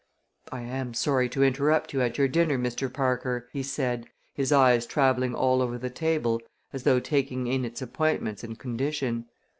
"I am sorry to interrupt you at your dinner, Mr. Parker," he said, his eyes traveling all over the table as though taking in its appointments and condition.